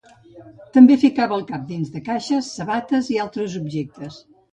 També ficava el cap dins de caixes, sabates i altres objectes.